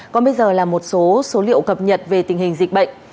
còn bây giờ là một số số liệu cập nhật về tình hình dịch bệnh